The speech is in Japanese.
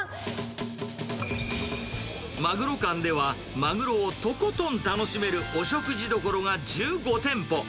まぐろ館では、まぐろをとことん楽しめるお食事どころが１５店舗。